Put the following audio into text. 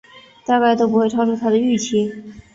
大概都不会超出他的预期